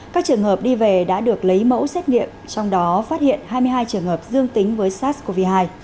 các trường hợp đi về đã được lấy mẫu xét nghiệm trong đó phát hiện hai mươi hai trường hợp dương tính với sars cov hai